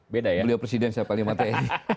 beliau presiden siapa lima tni